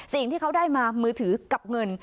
สิ่งที่เขาได้มามือถือกับเงิน